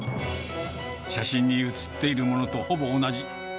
写真に写っているものとほぼ同じ。